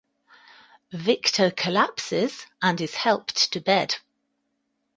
Victor collapses and is helped to bed.